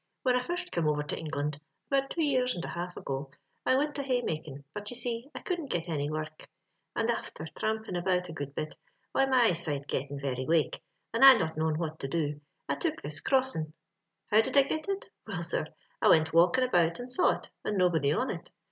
Whin I first come over to England (about two years and a half ago), I wint a haymakin', but, you see, I couldn't get any work; and afther thrampin' about a good bit, why my eyesight gettin' very wake, and I not knowin' what to do, I took this crossin*. «* How did I get it ?— Will, sir, I wint walkin' about and saw it, and nobody on it.